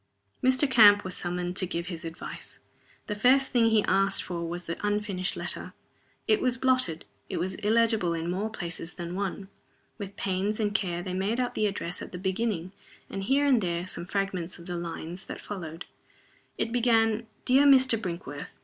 Mr. Camp was summoned to give his advice. The first thing he asked for was the unfinished letter. It was blotted, it was illegible in more places than one. With pains and care they made out the address at the beginning, and here and there some fragments of the lines that followed. It began: "Dear Mr. Brinkworth."